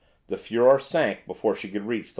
The "Furor" sank before she could reach the land.